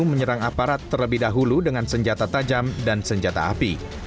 menyerang aparat terlebih dahulu dengan senjata tajam dan senjata api